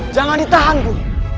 jangan ditahan guru